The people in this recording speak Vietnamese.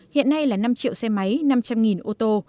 hiện nay là năm triệu xe máy năm trăm linh ô tô